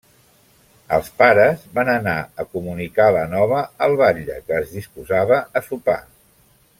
Els pares van anar a comunicar la nova al batlle, que es disposava a sopar.